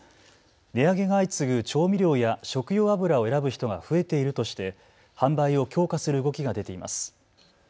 値上げが相次ぐ調味料や食用油を選ぶ人が増えているとして販売を強化する動きが出ています。